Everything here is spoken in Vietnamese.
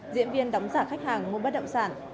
diễn viên đóng giả khách hàng mua bất động sản